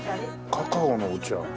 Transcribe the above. カカオのお茶。